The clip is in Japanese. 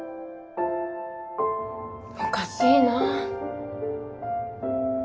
おかしいな。